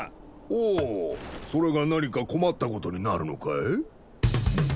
ほうそれが何か困ったことになるのかい？